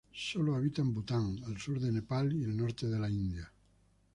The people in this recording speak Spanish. Sólo habita en Bután, el sur de Nepal y el norte de la India.